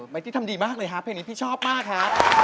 ตี้ทำดีมากเลยฮะเพลงนี้พี่ชอบมากฮะ